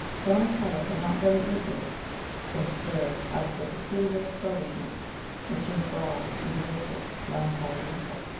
Donatello had not very easily been stirred out of the peculiar sluggishness, which enthralls and bewitches melancholy people.